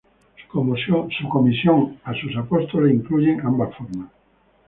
Su comisión a sus apóstoles incluyen ambas formas.